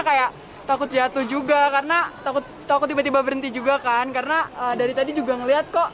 kayak takut jatuh juga karena takut takut tiba tiba berhenti juga kan karena dari tadi juga ngeliat kok